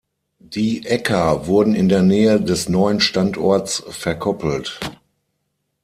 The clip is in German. Die Äcker wurden in der Nähe des neuen Standorts verkoppelt.